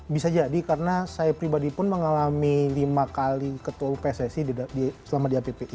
bisa jadi karena saya pribadi pun mengalami lima kali ketua pssi selama di appi